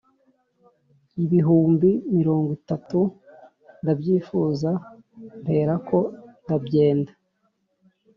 Ibihumbi mirongo itatu ndabyifuza mperako ndabyenda